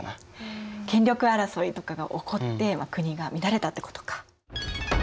権力争いとかが起こって国が乱れたってことか。